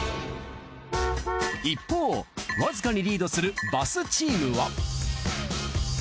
一方わずかにリードするバスチームは。